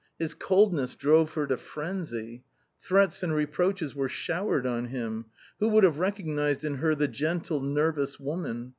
His coldness drove her to frenzy. Threats and reproaches were showered on him. Who would have recognised in her the gentle, nervous woman?